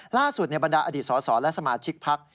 บรรดาอดีตสสและสมาชิกพัก